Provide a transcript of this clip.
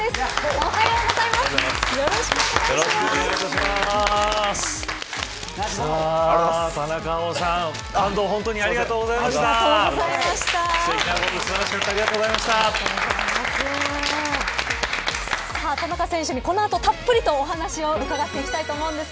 おはようございます。